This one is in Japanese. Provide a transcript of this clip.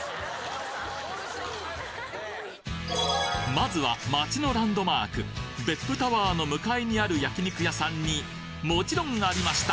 まずは街のランドマーク別府タワーの向かいにある焼肉屋さんにもちろんありました！